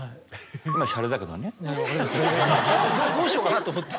どどうしようかなと思って。